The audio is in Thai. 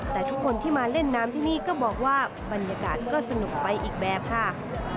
แต่ทุกคนที่มาเล่นน้ำที่นี่ก็บอกว่าบรรยากาศก็สนุกไปอีกแบบค่ะ